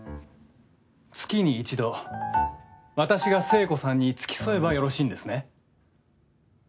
月に一度私が聖子さんに付き添えばよろしいんですね？